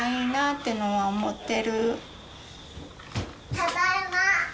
ただいま。